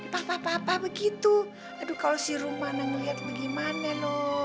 pak pak pak begitu aduh kalau si rumana melihatnya gimana loh